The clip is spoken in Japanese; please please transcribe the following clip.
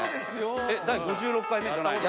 えっ第５６回目じゃないの？